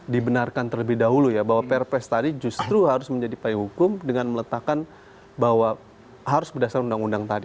dibenarkan terlebih dahulu ya bahwa perpres tadi justru harus menjadi payung hukum dengan meletakkan bahwa harus berdasarkan undang undang tadi